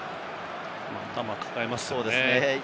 頭を抱えましたね。